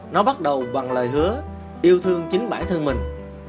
nó bắt đầu bằng lời hứa yêu thương chính bản thân mình